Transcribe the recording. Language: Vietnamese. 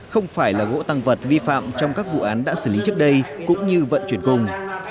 không phải là gỗ tăng vật vi phạm trong các vụ án đã xử lý trước đây cũng như vận chuyển cùng